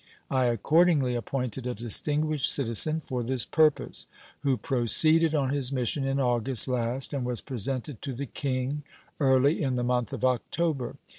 I accordingly appointed a distinguished citizen for this purpose, who proceeded on his mission in August last and was presented to the King early in the month of October.